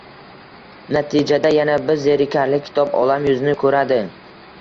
Natijada yana bir zerikarli kitob olam yuzini ko‘radi.